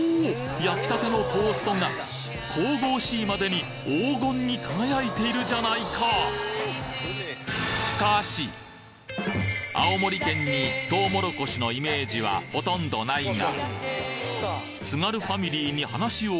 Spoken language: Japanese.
焼きたてのトーストが神々しいまでに黄金に輝いているじゃないか！のイメージはほとんどないが？